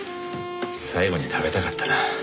最後に食べたかったな。